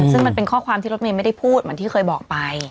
ซึ่งมันเป็นข้อความที่รถเมย์ไม่ได้พูดเหมือนที่เคยบอกไป